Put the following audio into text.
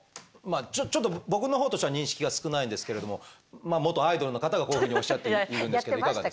ちょっと僕の方としては認識が少ないんですけれどもまあ元アイドルの方がこういうふうにおっしゃっているんですけど。